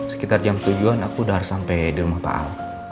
sekitar jam tujuh an aku udah harus sampai di rumah pak al